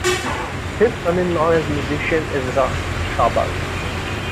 His son-in-law is musician Ezra Schabas.